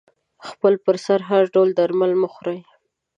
خپل پر سر هر ډول درمل مه خوری